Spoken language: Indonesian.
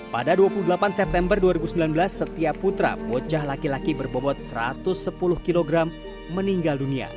pada dua puluh delapan september dua ribu sembilan belas setiap putra bocah laki laki berbobot satu ratus sepuluh kg meninggal dunia